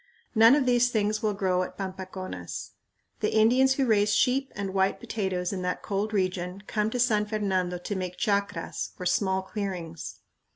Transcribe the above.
None of these things will grow at Pampaconas. The Indians who raise sheep and white potatoes in that cold region come to San Fernando to make chacras or small clearings.